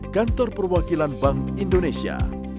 kantor perwakilan bank indonesia